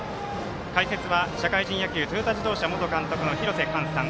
解説は、社会人野球トヨタ自動車元監督廣瀬寛さん。